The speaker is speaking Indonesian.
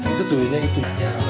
itu dulunya itu